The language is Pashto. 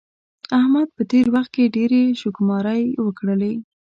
احمد په تېر وخت کې ډېرې شوکماری وکړلې.